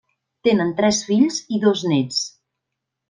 Tenen tres fills i dos néts.